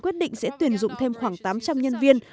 quyết định sẽ tuyển dụng thêm khoảng tám trăm linh nhân viên